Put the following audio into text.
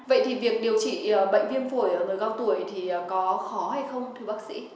vậy thì việc điều trị bệnh viêm phổi ở người cao tuổi thì có khó hay không thưa bác sĩ